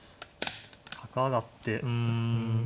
角上がってうん。